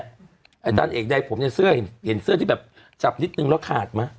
อันตัวเอกใดผมเนี่ยเสื้อเห็นเห็นเสื้อที่แบบจับนิสนึงแล้วขาดมะ